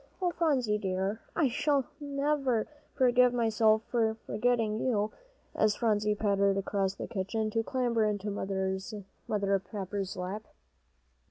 "Oh, Phronsie dear, I never shall forgive myself for forgetting you," as Phronsie pattered across the kitchen, to clamber into Mother Pepper's lap.